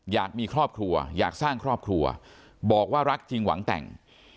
อยากมีครอบครัวอยากสร้างครอบครัวบอกว่ารักจริงหวังแต่ง